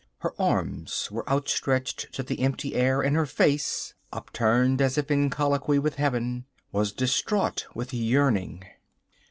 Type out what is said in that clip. Her arms were outstretched to the empty air, and her face, upturned as if in colloquy with heaven, was distraught with yearning.